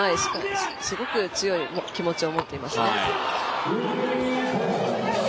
すごく強い気持ちを持っていますね。